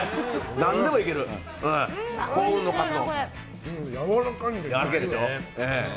何でもいける幸運のカツ丼。